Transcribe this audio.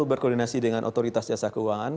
berkoordinasi dengan otoritas jasa keuangan